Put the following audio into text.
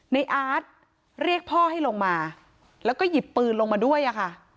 อาร์ตเรียกพ่อให้ลงมาแล้วก็หยิบปืนลงมาด้วยอะค่ะ